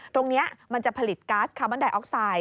ตรงนี้มันจะผลิตก๊าซคาร์บอนไดออกไซด